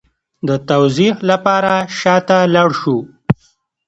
د توضیح لپاره شا ته لاړ شو